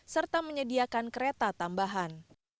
serta menyediakan kereta tambahan